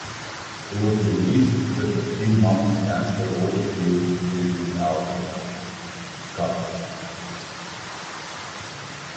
It was released just a few months after Oldfield's previous album, "Discovery".